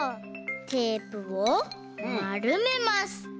テープをまるめます。